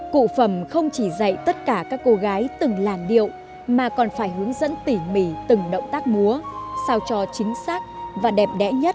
cụ phẩm không chỉ dạy tất cả các cô gái từng làn điệu mà còn phải hướng dẫn tỉ mỉ từng động tác múa sao cho chính xác và đẹp đẽ nhất